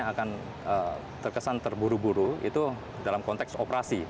yang akan terkesan terburu buru itu dalam konteks operasi